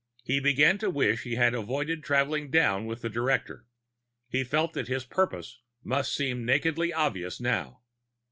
He began to wish he had avoided traveling down with the director. He felt that his purpose must seem nakedly obvious now.